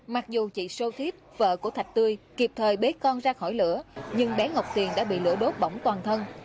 mặc dù chị show thiếp vợ của thạch tươi kịp thời bế con ra khỏi lửa nhưng bé ngọc tiền đã bị lửa đốt bỏng toàn thân